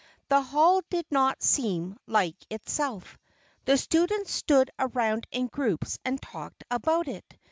The Hall did not seem like itself. The students stood around in groups and talked about it.